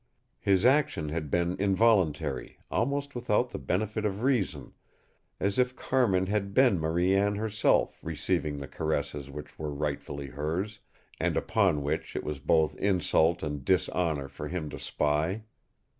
His action had been involuntary, almost without the benefit of reason, as if Carmin had been Marie Anne herself receiving the caresses which were rightfully hers, and upon which it was both insult and dishonor for him to spy.